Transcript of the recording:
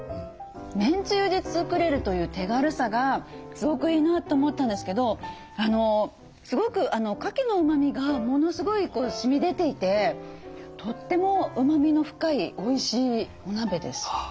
めんつゆで作れるという手軽さがすごくいいなと思ったんですけどすごくかきのうまみがものすごいしみ出ていてとってもうまみの深いおいしいお鍋です。